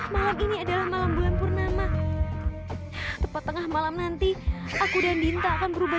malam ini adalah malam bulan purnama tepat tengah malam nanti aku dan dinta akan berubah